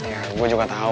ya gua juga tau